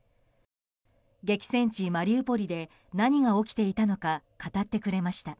激戦地マリウポリで何が起きていたのか語ってくれました。